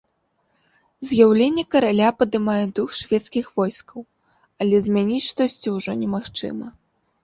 З'яўленне караля падымае дух шведскіх войскаў, але змяніць штосьці ўжо немагчыма.